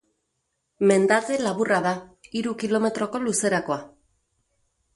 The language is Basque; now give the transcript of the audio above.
Mendate laburra da, hiru kilometroko luzerakoa.